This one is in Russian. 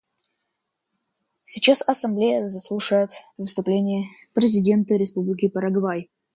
Сейчас Ассамблея заслушает выступление президента Республики Парагвай.